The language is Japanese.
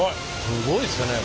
すごいですね。